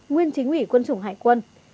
nguyên chính ủy quân chủng hải quân